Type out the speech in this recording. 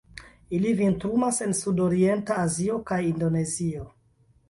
Ili vintrumas en sudorienta Azio kaj Indonezio.